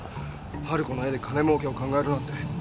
春子の絵で金もうけを考えるなんて。